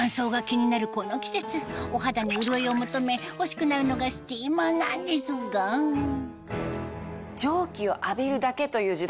お肌に潤いを求め欲しくなるのがスチーマーなんですが実は。